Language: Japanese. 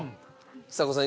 ちさ子さん